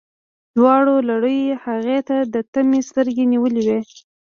دواړو لړیو هغې ته د طمعې سترګې نیولي وې.